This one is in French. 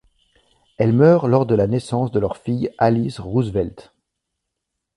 Elle meurt lors de la naissance de leur fille Alice Roosevelt.